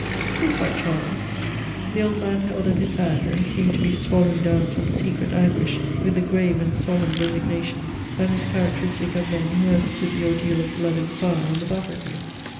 "Still quite charming." The old man held up his hand, and seemed to be swallowing down some secret anguish with the grave and solemn resignation that is characteristic of men who have stood the ordeal of blood and fire on the battlefield.